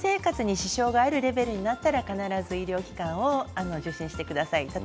日常生活に支障があるレベルだったら必ず医療機関を受診してください。